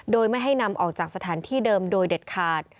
โดยไม่ให้นำออกจากสถานที่เดิมโดยเด็ดขาด